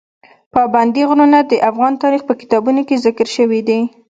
پابندی غرونه د افغان تاریخ په کتابونو کې ذکر شوی دي.